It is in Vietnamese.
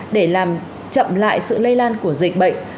để làm chậm lại sự lây lan của dịch bệnh